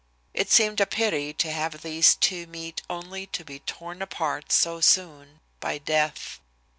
It seemed a pity to have these two meet only to be torn apart so soon by death.